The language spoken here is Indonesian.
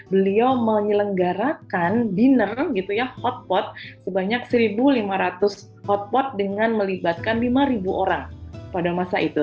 beliau menyelenggarakan dinner gitu ya hotpot sebanyak satu lima ratus hotpot dengan melibatkan lima orang pada masa itu